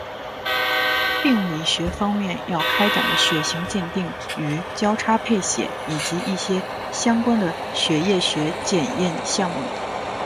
病理学方面要开展的血型鉴定与交叉配血以及一些相关的血液学检验项目。